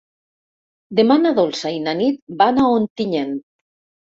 Demà na Dolça i na Nit van a Ontinyent.